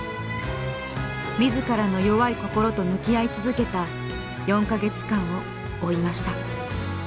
自らの弱い心と向き合い続けた４か月間を追いました。